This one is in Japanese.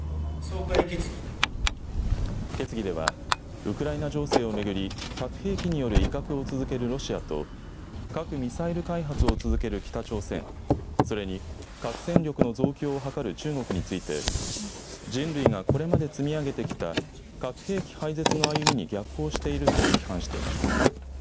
決議ではウクライナ情勢を巡り核兵器による威嚇を続けるロシアと核ミサイル開発を続ける北朝鮮それに核戦力の増強を図る中国について人類がこれまで積み上げてきた核兵器廃絶の歩みに逆行していると批判しています。